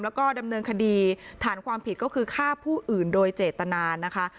แล้วก็ดำเนินคดีฐานความผิดก็คือฆ่าผู้อื่นโดยเจตนานะคะ